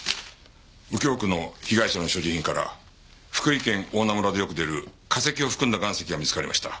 右京区の被害者の所持品から福井県大菜村でよく出る化石を含んだ岩石が見つかりました。